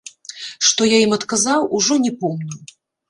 Што я ім адказаў, ужо не помню.